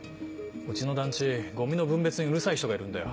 うちの団地ゴミの分別にうるさい人がいるんだよ。